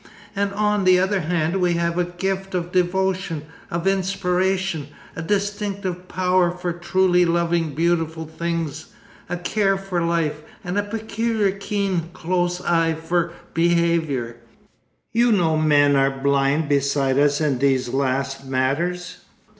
And on the other hand we have a gift of devotion, of inspiration, a distinctive power for truly loving beautiful things, a care for life and a peculiar keen close eye for behaviour. You know men are blind beside us in these last matters.